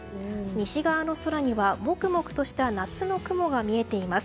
西側の空には、もくもくとした夏の雲が見えています。